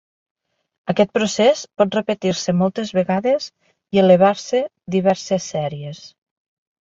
Aquest procés pot repetir-se moltes vegades i elevar-se diverses sèries.